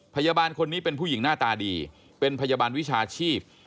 พยาบาลคนนี้เป็นผู้หญิงหน้าตาดีเป็นพยาบาลวิชาชีพ